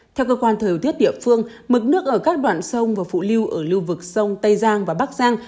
theo cơ quan thời tiết địa phương mực nước ở các đoạn sông và phụ lưu ở lưu vực sông tây giang và bắc giang